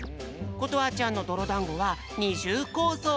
ことはちゃんのどろだんごは２じゅうこうぞう！